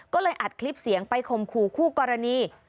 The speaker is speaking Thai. ก็เลยอัดคลิปเสียงไปข่มขู่คู่กรณี